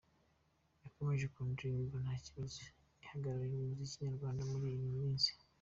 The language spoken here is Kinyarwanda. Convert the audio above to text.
Yakomereje ku ndirimbo 'Ntakibazo' ihagarariye umuziki nyarwanda muri iyi minsi.